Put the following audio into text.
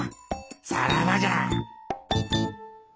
さらばじゃ。